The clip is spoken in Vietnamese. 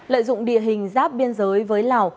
lợi dụng địa hình giáp biên giới với lào